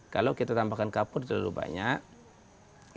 kalau kita tambahkan kapur terlalu banyak